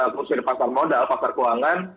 pengusir pasar modal pasar keuangan